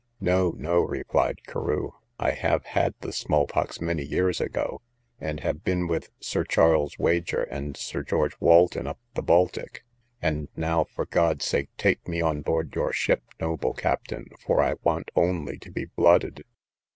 No, no, replied Carew; I have had the small pox many years ago, and have been with Sir Charles Wager and Sir George Walton up the Baltic; and now, for God's sake, take me on board your ship, noble captain, for I want only to be blooded.